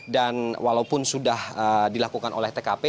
dan walaupun sudah dilakukan oleh tkp